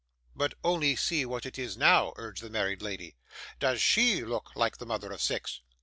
'But only see what it is now,' urged the married lady. 'Does SHE look like the mother of six?